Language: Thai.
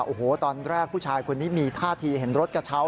โอ้โหตอนแรกผู้ชายคนนี้มีท่าทีเห็นรถกระเช้า